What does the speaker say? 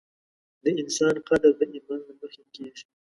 د انسان قدر د ایمان له مخې کېږي.